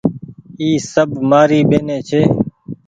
اي سب مآري ٻيني ڇي ۔